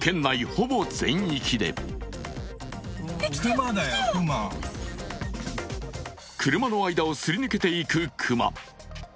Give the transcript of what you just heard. ほぼ全域で車の間をすり抜けていく熊。